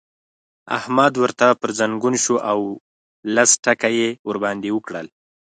احمد ورته پر ځنګون شو او لس ټکه يې ور باندې وکړل.